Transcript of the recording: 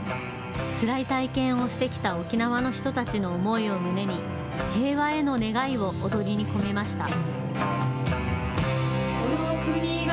つらい体験をしてきた沖縄の人たちの思いを胸に平和への願いを踊りに込めました。